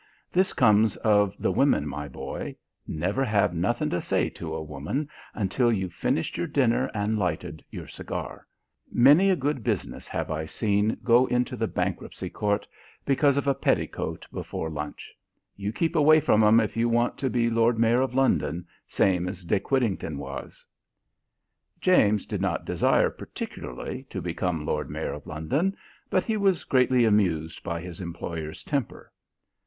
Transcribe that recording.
This comes of the women, my boy. Never have nothing to say to a woman until you've finished your dinner and lighted your cigar. Many a good business have I seen go into the Bankruptcy Court because of a petticoat before lunch. You keep away from 'em if you want to be Lord Mayor of London, same as Dick Whittington was." James did not desire particularly to become Lord Mayor of London, but he was greatly amused by his employer's temper.